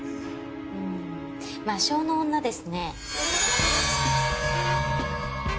うーん魔性の女ですね。